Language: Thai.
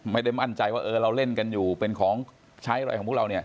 ไม่ได้มั่นใจว่าเราเล่นกันอยู่เป็นของใช้อะไรของพวกเราเนี่ย